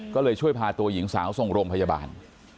ก็เลยช่วยพาตัวหญิงสาวส่งโรงพยาบาล